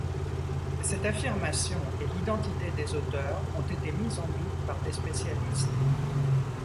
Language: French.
Cette affirmation et l’identité des auteurs ont été mises en doute par des spécialistes.